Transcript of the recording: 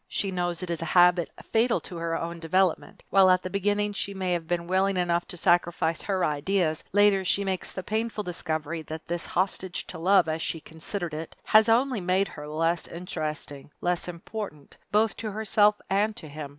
She knows it is a habit fatal to her own development. While at the beginning she may have been willing enough to sacrifice her ideas, later she makes the painful discovery that this hostage to love, as she considered it, has only made her less interesting, less important, both to herself and to him.